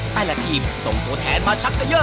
แต่ละทีมส่งตัวแทนมาชักกะเย้อ